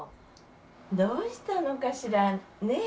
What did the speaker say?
どうしたのかしらね？